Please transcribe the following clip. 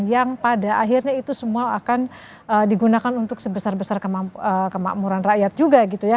yang pada akhirnya itu semua akan digunakan untuk sebesar besar kemakmuran rakyat juga gitu ya